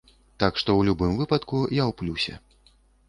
Так што ў любым выпадку я ў плюсе.